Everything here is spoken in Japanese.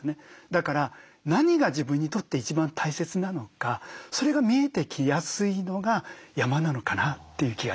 だから何が自分にとって一番大切なのかそれが見えてきやすいのが山なのかなという気がしてます。